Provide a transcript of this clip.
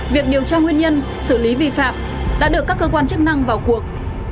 việc điều tra nguyên nhân xử lý vi phạm đã được các cơ quan chức năng vào cuộc